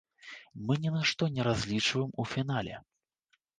Мы ні на што не разлічваем у фінале.